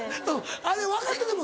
あれ分かってても「」